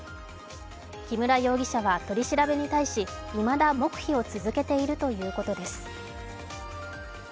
木村容疑者は取り調べに対しいまだ黙秘を続けているということです。